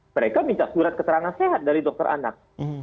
mereka minta surat keterangan sehat dari dokter anak